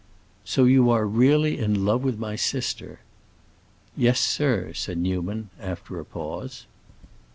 "So you are really in love with my sister." "Yes, sir!" said Newman, after a pause.